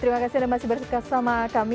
terima kasih anda masih bersama kami